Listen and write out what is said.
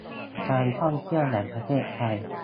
การท่องเที่ยวแห่งประเทศไทย